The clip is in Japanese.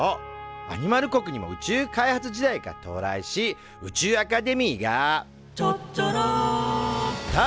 アニマル国にも宇宙開発時代が到来し宇宙アカデミーが「ちゃっちゃら」と誕生。